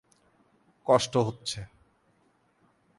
কষ্ট হচ্ছে।